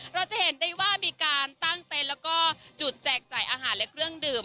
เราจะเห็นได้ว่ามีการตั้งเต็นต์แล้วก็จุดแจกจ่ายอาหารและเครื่องดื่ม